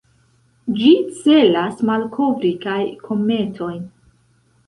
Ĝi celas malkovri kaj kometojn.